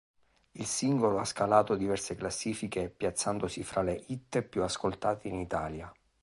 Il singolo ha scalato diverse classifiche piazzandosi fra le hit più ascoltate in Italia.